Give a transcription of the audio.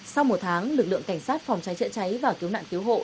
sau một tháng lực lượng cảnh sát phòng cháy chữa cháy và cứu nạn cứu hộ